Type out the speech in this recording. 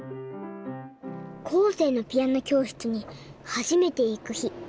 こうせいのピアノ教室に初めて行く日。